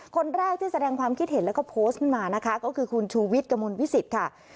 คนแรกที่แสดงความคิดเห็นแล้วก็โพสต์ขึ้นมานะคะก็คือคุณชูวิทย์กระมวลวิสิตค่ะ